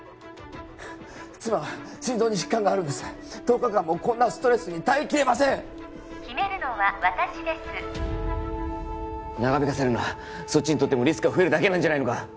妻は心臓に疾患があるんです１０日間もこんなストレスに耐えきれません決めるのは私です長引かせるのはそっちにとってもリスクが増えるだけなんじゃないのか？